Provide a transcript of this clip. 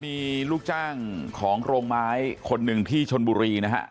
มีลูกจ้างของโรงไม้คนหนึ่งที่ชนบุรีนะฮะ